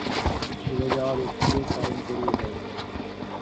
ভুলে যাওয়া ব্যক্তিকেও স্মরণ করিয়ে দেয়।